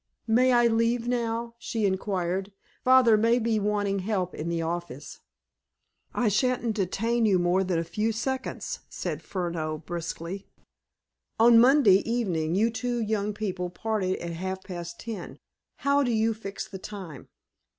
"May I leave you now?" she inquired. "Father may be wanting help in the office." "I shan't detain you more than a few seconds," said Furneaux briskly. "On Monday evening you two young people parted at half past ten. How do you fix the time?"